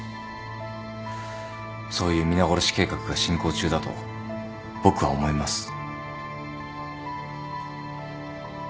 そういう皆殺し計画が進行中だと僕は思います。